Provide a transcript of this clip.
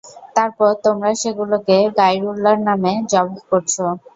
তারপর তোমরা সেগুলোকে গাইরুল্লাহর নামে যবাহ করছো।